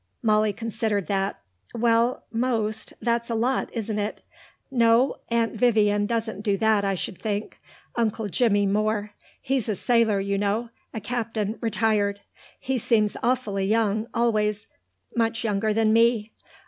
Molly considered that. "Well ... most ... that's a lot, isn't it. No, Aunt Vyvian doesn't do that, I should think. Uncle Jimmy more. He's a sailor, you know; a captain, retired. He seems awfully young, always; much younger than me....